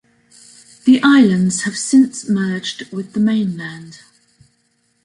The islands have since merged with the mainland.